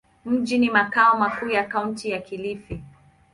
Mji ni makao makuu ya Kaunti ya Kilifi.